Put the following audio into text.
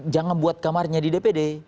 jangan buat kamarnya di dpd